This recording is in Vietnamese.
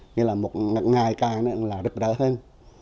nghĩa là một ngày càng là rực rỡ hơn